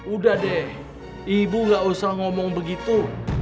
udah deh ibu gak usah ngomong begitu